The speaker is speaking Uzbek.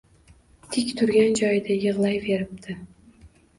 Tik turgan joyida yig’layveribdi.